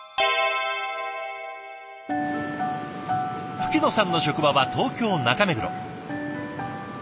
吹野さんの職場は東京・中目黒。